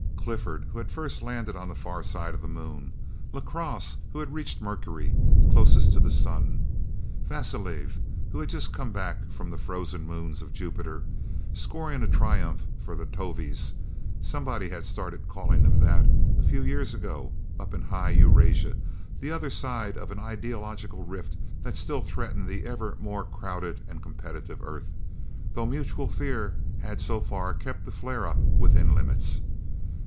Clifford, who had first landed on the far side of the Moon. LaCrosse, who had reached Mercury, closest to the sun. Vasiliev, who had just come back from the frozen moons of Jupiter, scoring a triumph for the Tovies somebody had started calling them that, a few years ago up in high Eurasia, the other side of an ideological rift that still threatened the ever more crowded and competitive Earth, though mutual fear had so far kept the flare ups within limits.